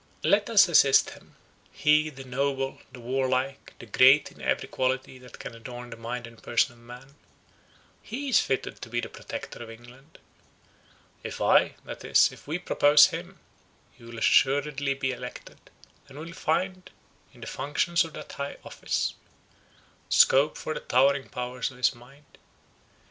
"Let us assist him. He, the noble, the warlike, the great in every quality that can adorn the mind and person of man; he is fitted to be the Protector of England. If I—that is, if we propose him, he will assuredly be elected, and will find, in the functions of that high office, scope for the towering powers of his mind.